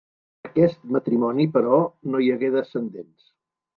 D'aquest matrimoni, però, no hi hagué descendents.